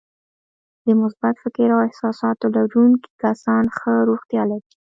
د مثبت فکر او احساساتو لرونکي کسان ښه روغتیا لري.